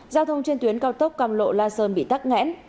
giao thông trên tuyến cao tốc cam lộ la sơn bị tắt ngẽn